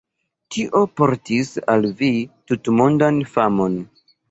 Tio portis al vi tutmondan famon.